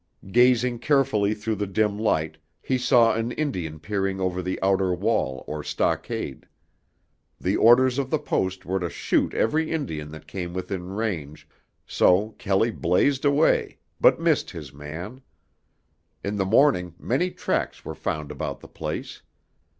Gazing carefully through the dim light, he saw an Indian peering over the outer wall or stockade. The orders of the post were to shoot every Indian that came within range, so Kelley blazed away, but missed his man. In the morning, many tracks were found about the place.